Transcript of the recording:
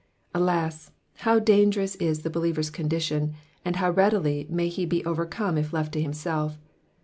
Alas ! how dangerous is the believer's condition, and how readily may he be overcome if left to himself.